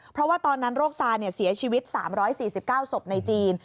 เพราะว่าตอนนั้นโรคซาเสียชีวิต๓๔๙ศพในจีน